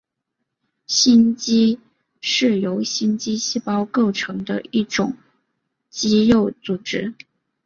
心肌是由心肌细胞构成的一种肌肉组织。